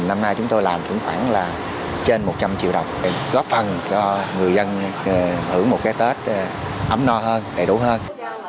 năm nay chúng tôi làm trưởng khoảng là trên một trăm linh triệu đồng để góp phần cho người dân hưởng một cái tết ấm no hơn đầy đủ hơn